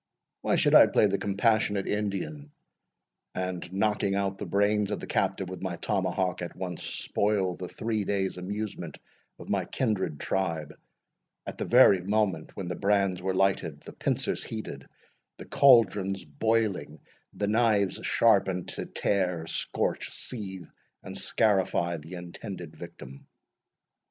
Why should I play the compassionate Indian, and, knocking out the brains of the captive with my tomahawk, at once spoil the three days' amusement of my kindred tribe, at the very moment when the brands were lighted, the pincers heated, the cauldrons boiling, the knives sharpened, to tear, scorch, seethe, and scarify the intended victim?"